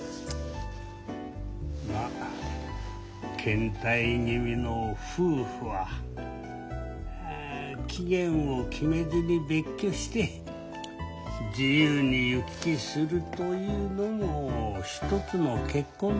まあけん怠気味の夫婦は期限を決めずに別居して自由に行き来するというのも一つの結婚の形かもしれんな。